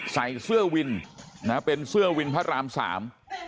ใส่เสื้อวินนะเป็นเสื้อวินพระรามสาม